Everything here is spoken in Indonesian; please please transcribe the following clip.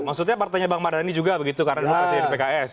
maksudnya partainya bang mardani juga begitu karena presiden pks